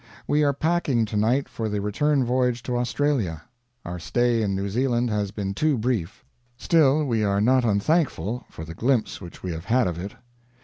We are packing to night for the return voyage to Australia. Our stay in New Zealand has been too brief; still, we are not unthankful for the glimpse which we have had of it.